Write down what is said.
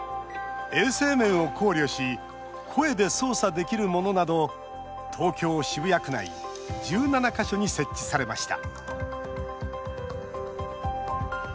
衛生面を考慮し声で操作できるものなど東京・渋谷区内１７か所に設置されました。